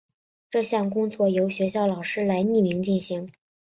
这项工作由学校老师来匿名进行。